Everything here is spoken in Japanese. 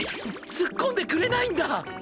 ツッコんでくれないんだ！？